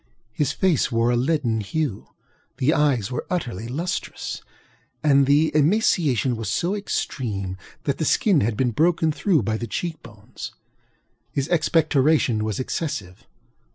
His face wore a leaden hue; the eyes were utterly lustreless; and the emaciation was so extreme that the skin had been broken through by the cheek bones. His expectoration was excessive.